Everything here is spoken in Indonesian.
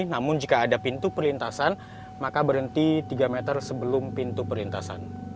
namun jika ada pintu perlintasan maka berhenti tiga meter sebelum pintu perlintasan